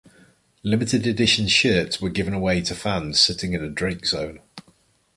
Limited edition shirts were given away to fans sitting in the Drake Zone.